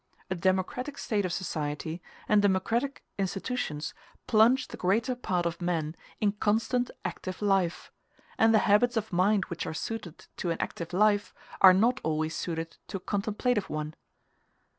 A democratic state of society and democratic institutions plunge the greater part of men in constant active life; and the habits of mind which are suited to an active life, are not always suited to a contemplative one.